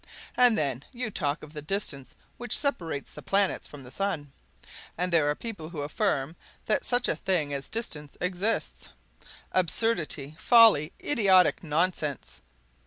And then you talk of the distance which separates the planets from the sun! And there are people who affirm that such a thing as distance exists. Absurdity, folly, idiotic nonsense!